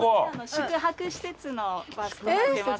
宿泊施設のバスとなってます。